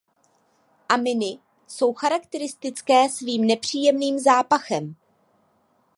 Aminy jsou charakteristické svým nepříjemným zápachem.